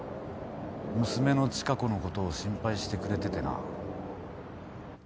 娘の千香子のことを心配してくれててな。